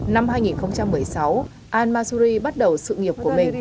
năm hai nghìn một mươi sáu al masuri bắt đầu sự nghiệp của mình